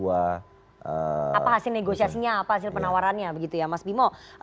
apa hasil negosiasinya apa hasil penawarannya begitu ya mas bimo